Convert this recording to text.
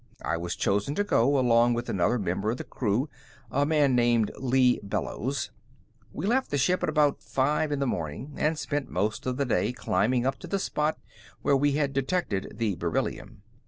"I was chosen to go, along with another member of the crew, a man named Lee Bellows. We left the ship at about five in the morning, and spent most of the day climbing up to the spot where we had detected the beryllium.